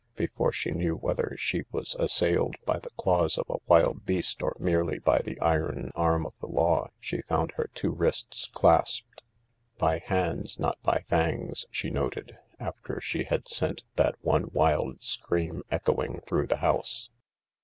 Before she knew whether she was assailed by the claws of a wild beast, or merely by the iron arm of the law, she found her two wrists clasped. By hands, not by fangs, she noted, after she had sent that one wild scream echoing through the house.